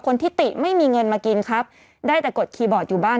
ที่ติไม่มีเงินมากินครับได้แต่กดคีย์บอร์ดอยู่บ้าน